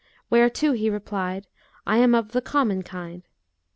whereto he replied, 'I am of the common kind.